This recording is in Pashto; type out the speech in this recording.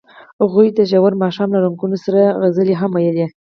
هغوی د ژور ماښام له رنګونو سره سندرې هم ویلې.